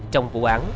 trong vụ án